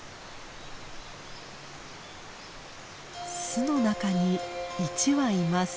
巣の中に１羽います。